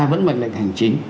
vẫn mệnh lệnh hành chính